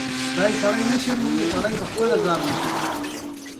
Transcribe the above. پیاز اکثره وخت له غوړو سره پخېږي